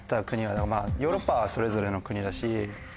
ヨーロッパはそれぞれの国だし。